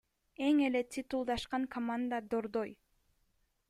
Эң эле титулдашкан команда — Дордой.